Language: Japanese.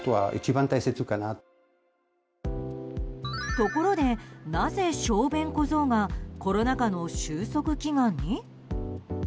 ところで、なぜ小便小僧がコロナ禍の収束祈願に？